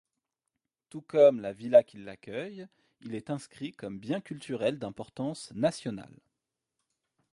Tout comme la villa qui l'accueille, il est inscrit comme bien culturel d'importance nationale.